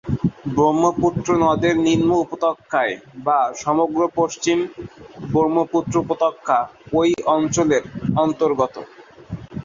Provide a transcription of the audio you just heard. ব্রহ্মপুত্র নদের নিম্ন উপতক্যায় বা সমগ্র পশ্চিম ব্রহ্মপুত্র উপত্যকা এই অঞ্চলের অন্তর্গত।